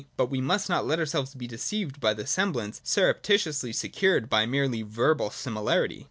But we must not let ourselves be deceived by the semblance surreptitiously secured by a merely verbal similarity.